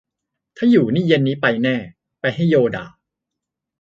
ถ้าอยู่นี่เย็นนี้ไปแน่ ไปให้โยด่า